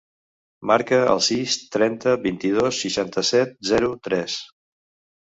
Marca el sis, trenta, vint-i-dos, seixanta-set, zero, tres.